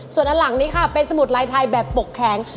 ส่วนด้านหลังนี้ค่ะเป็นสมุดลายไทยแบบปกแข็ง